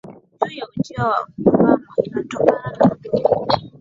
juu ya ujio wa Obama inatokana na ukweli